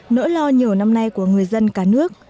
nỗi lo nhiều năm nay của người dân cả nước